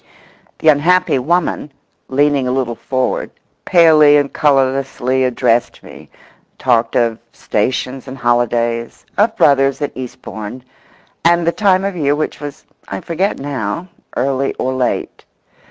The unhappy woman, leaning a little forward, palely and colourlessly addressed me—talked of stations and holidays, of brothers at Eastbourne, and the time of year, which was, I forget now, early or late.